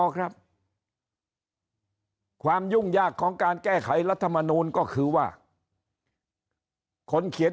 ครับความยุ่งยากของการแก้ไขรัฐมนูลก็คือว่าคนเขียน